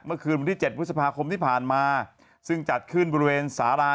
เมื่อคืนวันที่๗พฤษภาคมที่ผ่านมาซึ่งจัดขึ้นบริเวณสารา